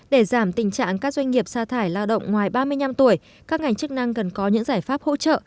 để giảm tình trạng các doanh nghiệp xa thải lao động ngoài ba mươi năm tuổi các ngành chức năng cần có những giải pháp hỗ trợ